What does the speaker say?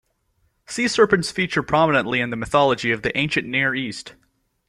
Sea serpents feature prominently in the mythology of the Ancient Near East.